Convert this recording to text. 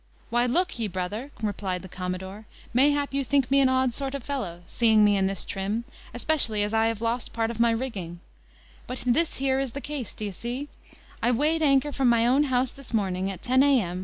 "Why look ye, brother," replied the commodore, "mayhap you think me an odd sort of a fellow, seeing me in this trim, especially as I have lost part of my rigging; but this here is the case, d'ye see: I weighed anchor from my own house this morning, at ten A.M.